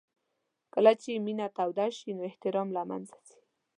کله چې مینه توده شي نو احترام له منځه ځي.